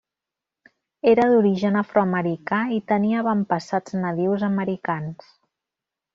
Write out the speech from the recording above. Era d'origen afroamericà i tenia avantpassats nadius americans.